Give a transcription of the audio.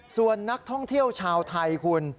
ส่วนนักท่องเที่ยวชาวไทยคุณ